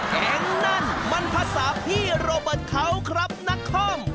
แก๊งแน่นมันภาษาพี่โรเบิร์ตเขาครับนักคอม